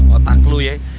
otak lu ya